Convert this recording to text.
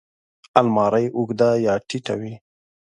الماري اوږده یا ټیټه وي